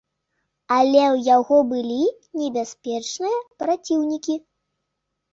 Але ў яго былі небяспечныя праціўнікі.